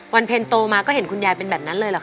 เพลงโตมาก็เห็นคุณยายเป็นแบบนั้นเลยเหรอค